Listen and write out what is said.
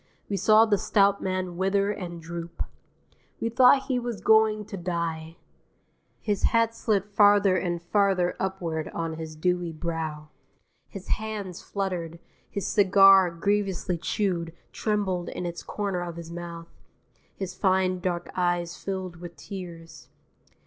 We saw the stout man wither and droop. We thought he was going to die. His hat slid farther and farther upward on his dewy brow. His hands fluttered. His cigar, grievously chewed, trembled in its corner of his mouth. His fine dark eyes filled with tears.